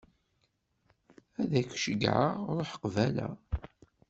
Ad k-ceyyɛeɣ ruḥ qbala.